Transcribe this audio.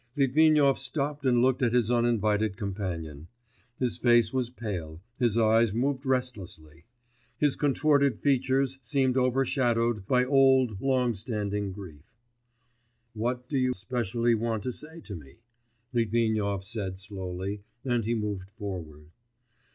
Litvinov stopped and looked at his uninvited companion. His face was pale, his eyes moved restlessly; his contorted features seemed overshadowed by old, long standing grief. 'What do you specially want to say to me?' Litvinov said slowly, and he moved forward.